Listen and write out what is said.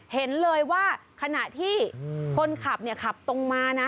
เห็นเลยว่าขณะที่คนขับเนี่ยขับตรงมานะ